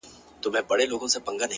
اوس مي حافظه ډيره قوي گلي _